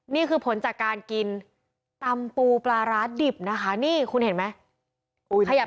นี่คือผลจากการกินตำปูปลาร้าดิบนะคะนี่คุณเห็นไหม